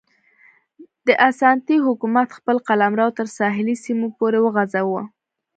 د اسانتي حکومت خپل قلمرو تر ساحلي سیمو پورې وغځاوه.